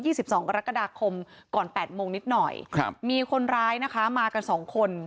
สิบสองกรกฎาคมก่อนแปดโมงนิดหน่อยครับมีคนร้ายนะคะมากันสองคน